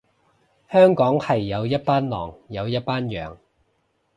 香港係有一班狼，有一班羊